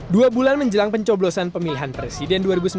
dua bulan menjelang pencoblosan pemilihan presiden dua ribu sembilan belas